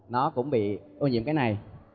nó cũng bị ô nhiễm cái này